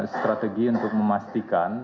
strategi untuk memastikan